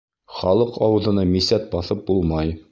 Халыҡ ауыҙына мисәт баҫып булмай.